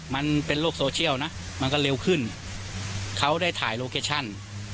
มันเป็นโลกโซเชียลนะมันก็เร็วขึ้นเขาได้ถ่ายโลเคชั่น